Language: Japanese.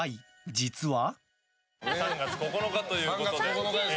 実は。